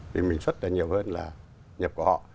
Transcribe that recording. thì mình xuất được nhiều hơn là nhập của họ